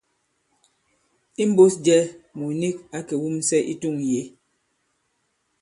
Imbūs jɛ, mùt nik ǎ kè wumsɛ i tûŋ yě.